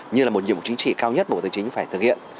như là một nhiệm vụ chính trị cao nhất bộ tài chính phải thực hiện